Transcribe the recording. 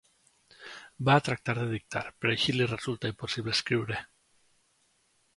Va tractar de dictar, però així li resultà impossible escriure.